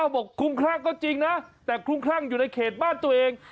คลุมคลั่งก็จริงนะแต่คลุ้มคลั่งอยู่ในเขตบ้านตัวเอง